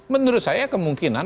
menurut saya kemungkinan